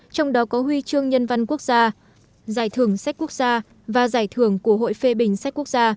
trong đó có huy chương nhân văn quốc gia giải thưởng sách quốc gia và giải thưởng của hội phê bình sách quốc gia